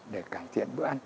để cải thiện bữa ăn